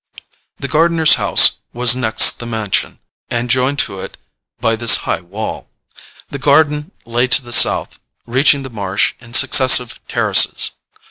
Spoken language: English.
The gardener's house was next the mansion, and joined to it by this high wall. The garden lay to the south, reaching the marsh in successive terraces.